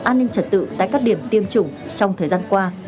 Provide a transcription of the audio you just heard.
an ninh trật tự tại các điểm tiêm chủng trong thời gian qua